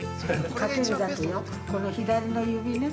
◆かけるだけよ、この左の指ね。